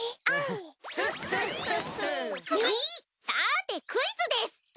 さてクイズです！